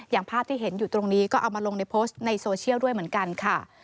อย่างภาพที่เห็นอยู่ตรงนี้ก็เอามาลงในโพสต์ในโซเชียลด้วยเหมือนกันค่ะ